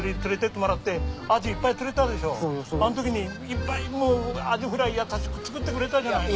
あのときにいっぱいもうアジフライ優しく作ってくれたじゃないの。